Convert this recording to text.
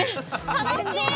楽しい！